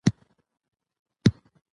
ازادي راډیو د د ښځو حقونه حالت په ډاګه کړی.